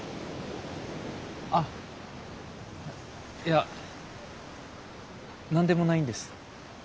あいや何でもないんです。